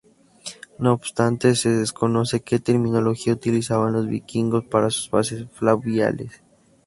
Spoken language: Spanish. No obstante, se desconoce que terminología utilizaban los vikingos para sus bases fluviales.